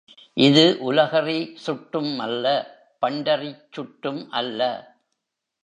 இது உலகறி சுட்டும் அல்ல பண்டறிச் சுட்டும் அல்ல.